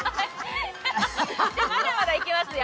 まだまだ行きますよ。